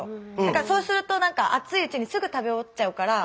そうするとなんか熱いうちにすぐ食べ終わっちゃうから。